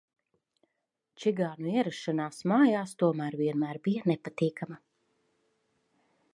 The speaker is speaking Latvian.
Čigānu ierašanās mājās tomēr vienmēr bija nepatīkama.